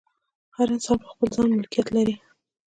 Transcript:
هر انسان پر خپل ځان مالکیت لري.